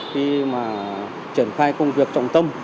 khi mà trở thành công việc trọng tâm